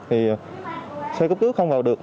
thì xe cấp cứu không vào được